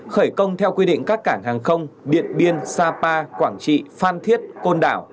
khởi công theo quy định các cảng hàng không điện biên sapa quảng trị phan thiết côn đảo